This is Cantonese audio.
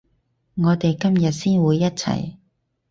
我哋今日先會一齊